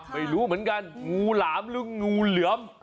ไม่รู้เหมือนกันงูหลามหรืองูเหลือม